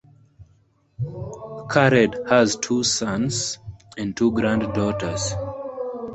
Keren has two sons and two granddaughters.